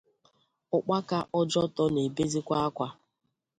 Ụkpaka Ojoto na-ebezịkwa akwa